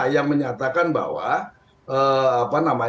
yang menyatakan bahwa